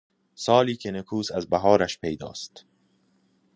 سالی که نکواست ازبهارش پیدااست